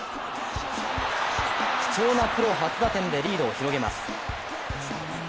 貴重なプロ初打点でリードを広げます。